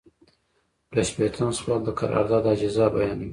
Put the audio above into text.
دوه شپیتم سوال د قرارداد اجزا بیانوي.